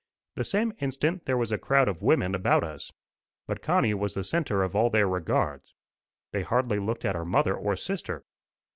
The same instant there was a crowd of women about us. But Connie was the centre of all their regards. They hardly looked at her mother or sister.